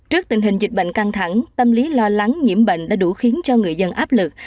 trước tình hình dịch bệnh căng thẳng tâm lý lo lắng nhiễm bệnh đã đủ khiến cho người dân áp lực